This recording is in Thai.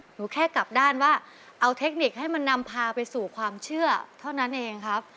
หนูแค่กลับด้านว่าเอาเทคนิคให้มันนำพาไปสู่ความเชื่อเท่านั้นเองครับ